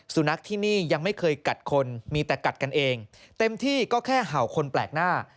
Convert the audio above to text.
สุนัขที่นี่ยังไม่เคยกัดคนมีแต่กัดกันเองเต็มที่ก็แค่เห่าคนแปลกหน้า